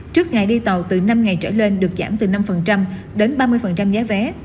trước ngày đi tàu từ năm ngày trở lên được giảm từ năm đến ba mươi giá vé